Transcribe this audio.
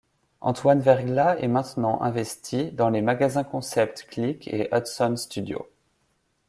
Antoine Verglas est maintenant investi dans les magasins-concepts Clic et Hudson Studios.